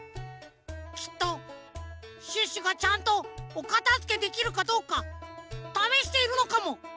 きっとシュッシュがちゃんとおかたづけできるかどうかためしているのかも！